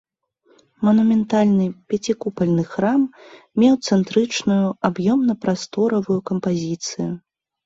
Манументальны пяцікупальны храм меў цэнтрычную аб'ёмна-прасторавую кампазіцыю.